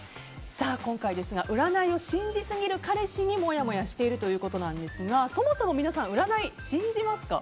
今回、占いを信じすぎる彼氏にもやもやしているということなんですがそもそも皆さん占い、信じますか？